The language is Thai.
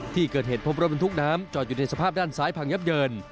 ที่เกิดเหตุพบรถบรรทุกน้ำจอดอยู่ในสภาพด้านซ้ายพังยับเยิน